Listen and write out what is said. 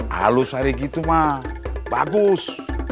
halus hari gitu mah bagus